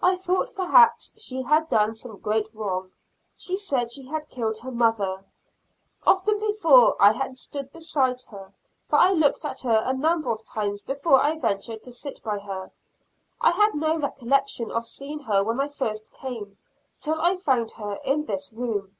I thought, perhaps, she had done some great wrong. She said she had killed her mother. Often before, I had stood beside her, for I looked at her a number of times before I ventured to sit by her. I had no recollection of seeing her when I first came, till I found her in this room.